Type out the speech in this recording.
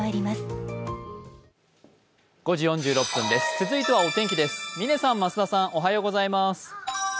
続いてはお天気です。